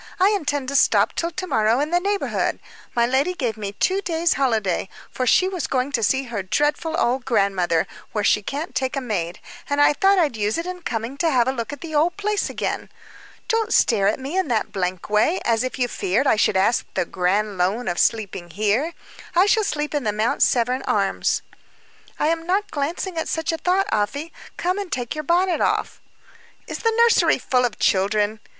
"I intend to stop till to morrow in the neighborhood. My lady gave me two days' holiday for she was going to see her dreadful old grandmother, where she can't take a maid and I thought I'd use it in coming to have a look at the old place again. Don't stare at me in that blank way, as if you feared I should ask the grand loan of sleeping here. I shall sleep at the Mount Severn Arms." "I was not glancing at such a thought, Afy. Come and take your bonnet off." "Is the nursery full of children?"